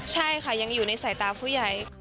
ใช่ค่ะยังอยู่ในสายตาผู้ใหญ่